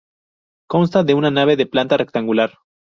Consta de una nave de planta rectangular.